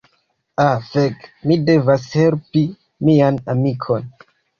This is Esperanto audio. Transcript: Ah fek, mi devas helpi mian amikon.